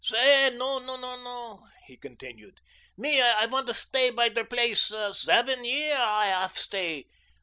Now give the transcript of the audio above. "Say, no, no," he continued. "Me, I wanta stay bei der place; seven yahr I hef stay.